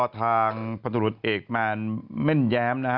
ทางผลสนุทธเอกแมนเย้ม